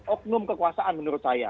oknum kekuasaan menurut saya